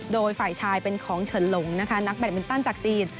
โดยฝ่ายชายเป็นของเฉินหลงนะคะนักแบตมินตันจากจีน